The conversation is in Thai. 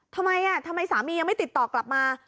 ทำไมทำไมสามียังไม่ติดต่อกลับมา